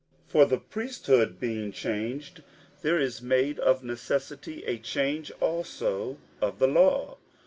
58:007:012 For the priesthood being changed, there is made of necessity a change also of the law.